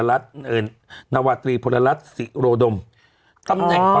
ก็คือนาวาตรีโประลัทธ์ศิโรดม